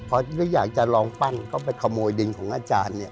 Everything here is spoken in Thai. พอหรืออยากจะลองปั้นก็ไปขโมยดินของอาจารย์เนี่ย